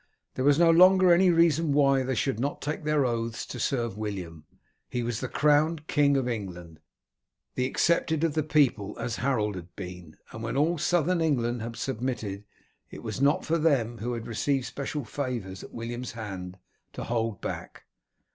There was no longer any reason why they should not take their oaths to serve William. He was the crowned king of England, the accepted of the people, as Harold had been, and when all Southern England had submitted it was not for them, who had received special favours at William's hand, to hold back.